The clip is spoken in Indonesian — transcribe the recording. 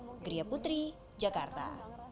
geria putri jakarta